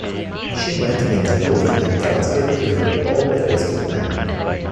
She met in the Gulf and transferred to her all the rescued men.